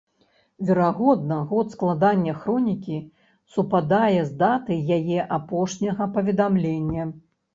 Верагодна год складання хронікі супадае з датай яе апошняга паведамлення.